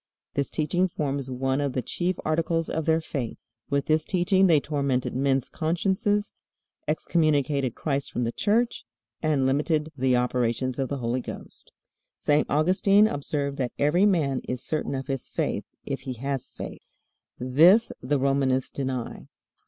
This teaching forms one of the chief articles of their faith. With this teaching they tormented men's consciences, excommunicated Christ from the Church, and limited the operations of the Holy Ghost. St. Augustine observed that "every man is certain of his faith, if he has faith." This the Romanists deny.